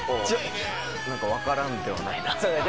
何か分からんではないな。